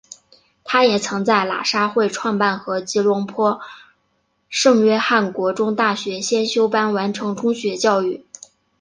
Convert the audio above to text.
他也曾在喇沙会创办的和吉隆坡圣约翰国中大学先修班完成中学教育。